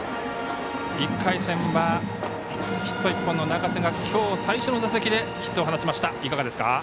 １回戦は、ヒット１本の中瀬がきょう、最初の打席でヒットを放ちました。